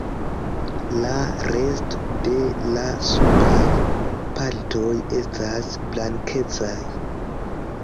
La resto de la subaj partoj estas blankecaj.